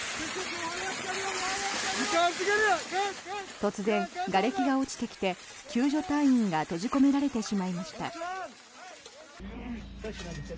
突然、がれきが落ちてきて救助隊員が閉じ込められてしまいました。